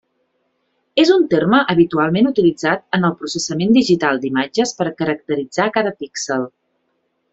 És un terme habitualment utilitzat en el processament digital d'imatges per caracteritzar cada píxel.